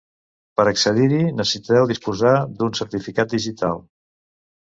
Per accedir-hi necessiteu disposar d'un certificat digital.